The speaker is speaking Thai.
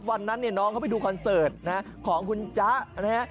วันนั้นเนี่ยน้องเขาไปดูคอนเสิร์ตนะฮะของคุณจ๊ะนะฮะ